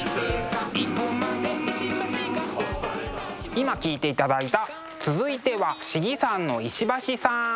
今聴いていただいた「続いては、信貴山の石橋さん」。